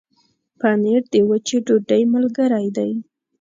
پنېر د وچې ډوډۍ ملګری دی.